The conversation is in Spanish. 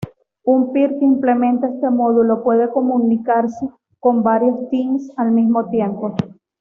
Un "peer" que implementa este módulo puede comunicarse con varios "teams" al mismo tiempo.